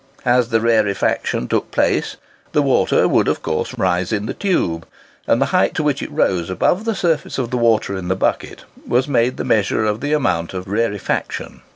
As the rarefaction took place, the water would of course rise in the tube; and the height to which it rose above the surface of the water in the bucket was made the measure of the amount of rarefaction.